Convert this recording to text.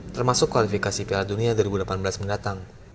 termasuk kualifikasi piala dunia dua ribu delapan belas mendatang